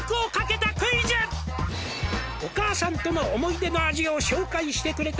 「お母さんとの思い出の味を紹介してくれた」